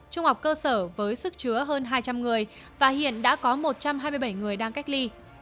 trung học cơ sở với sức chứa hơn hai trăm linh người và hiện đã có một trăm hai mươi bảy người đang cách ly